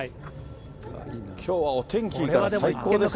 きょうはお天気いいから、最高ですね。